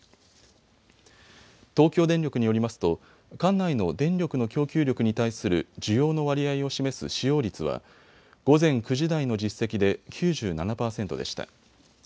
東京電力によりますと管内の電力の供給力に対する需要の割合を示す使用率は午前９時台の実績で９７％でした。